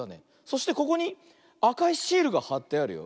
そしてここにあかいシールがはってあるよ。